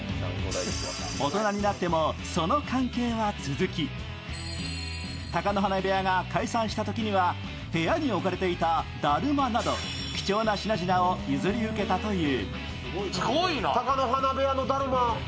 大人になってもその関係が続き、貴乃花部屋が解散したときは、部屋に置いていただるまなど貴重な品々を譲り受けたという。